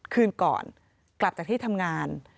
คืนก่อนกลับจากที่ทำงาน